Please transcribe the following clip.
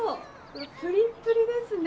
プリップリですね。